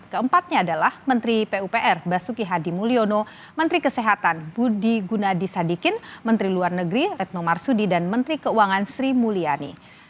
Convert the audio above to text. keempatnya adalah menteri pupr basuki hadi mulyono menteri kesehatan budi gunadisadikin menteri luar negeri retno marsudi dan menteri keuangan sri mulyani